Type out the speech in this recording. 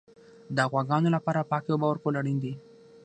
د غواګانو لپاره پاکې اوبه ورکول اړین دي.